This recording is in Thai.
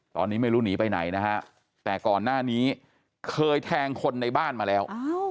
ตอนนี้ไม่รู้หนีไปไหนนะฮะแต่ก่อนหน้านี้เคยแทงคนในบ้านมาแล้ว